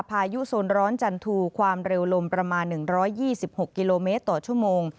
พายุโซนร้อนจันทูความเร็วลมประมาณ๑๒๖กิโลเมตรต่อชั่วโมง